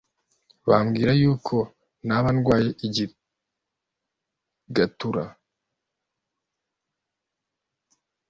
bambwira yuko naba ndwaye ikigatura ,